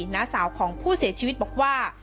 น้าสาวของผู้เสียชีวิตบอกว่า